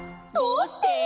「どうして？」